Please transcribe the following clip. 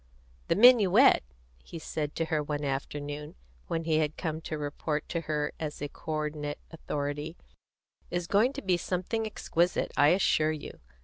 "The minuet," he said to her one afternoon, when he had come to report to her as a co ordinate authority, "is going to be something exquisite, I assure you.